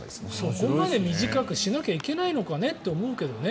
そこまで短くしなきゃいけないのかねって思うけどね。